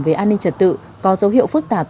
về an ninh trật tự có dấu hiệu phức tạp